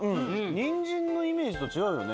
にんじんのイメージと違うよね。